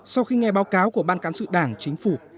sau khi nghe báo cáo của ban cán sự đảng chính phủ